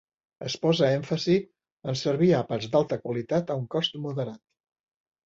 Es posa èmfasi en servir àpats d'alta qualitat a un cost moderat.